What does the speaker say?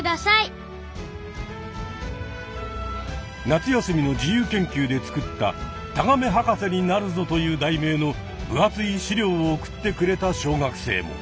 夏休みの自由研究で作った「タガメはかせになるぞ！！」という題名の分厚い資料を送ってくれた小学生も。